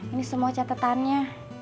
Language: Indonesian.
ini semua catetannya